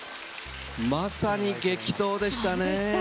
まさに激闘でしたね。